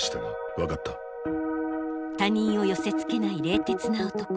他人を寄せつけない冷徹な男。